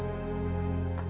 aku akan mencari tuhan